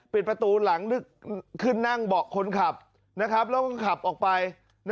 ปิดประตูหลังนึกขึ้นนั่งเบาะคนขับแล้วก็ขับออกไป